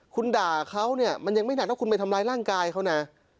คุณด่าเขาเนี่ยมันยังไม่หนักว่าคุณไปทำร้ายร่างกายเขานะ